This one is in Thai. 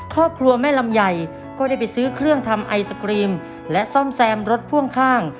ครอบครัวแม่ลำไยก็ได้ไปซื้อเครื่องทำไอศกรีมและซ่อมแซมรถพ่วงข้าง